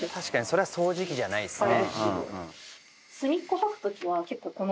それは掃除機じゃないですね」